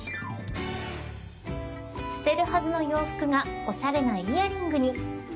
捨てるはずの洋服がおしゃれなイヤリングに